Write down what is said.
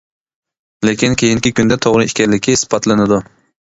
لېكىن كېيىنكى كۈندە توغرا ئىكەنلىكى ئىسپاتلىنىدۇ.